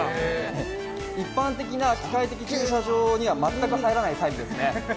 一般的な機械駐車場には全く入らないサイズです。